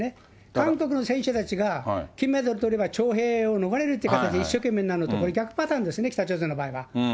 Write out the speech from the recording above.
韓国の選手たちが金メダルとれば、徴兵を逃れるということで、一生懸命になるのとこれ、逆パターンですね、北朝鮮の場合は。